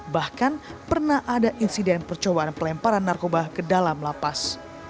bahkan pernah ada insiden percobaan pelemparan narkoba ke dalam lapas